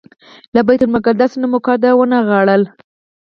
له بیت المقدس نه مو کډه ونغاړله.